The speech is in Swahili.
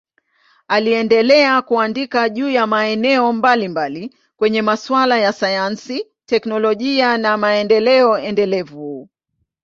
Aliendelea kuandika juu ya maeneo mbalimbali kwenye masuala ya sayansi, teknolojia na maendeleo endelevu.